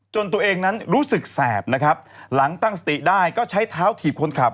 ตัวเองนั้นรู้สึกแสบนะครับหลังตั้งสติได้ก็ใช้เท้าถีบคนขับ